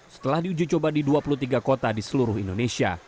setelah diuji coba di dua puluh tiga kota di seluruh indonesia